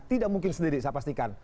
tidak mungkin sendiri saya pastikan